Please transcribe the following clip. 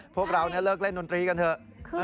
พวกเราเลิกเล่นดนตรีกันเถอะ